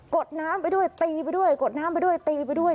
ดน้ำไปด้วยตีไปด้วยกดน้ำไปด้วยตีไปด้วย